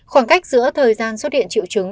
khoảng cách giữa thời gian xuất hiện triệu chứng